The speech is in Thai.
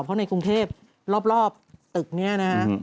เพราะในกรุงเทพรอบตึกนี้นะฮะ